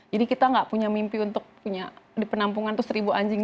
jadi kita tidak punya mimpi untuk di penampungan itu seribu anjing